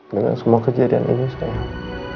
dengan semua kejadian ini sekarang